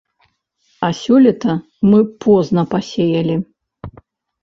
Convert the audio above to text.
А сёлета мы позна пасеялі.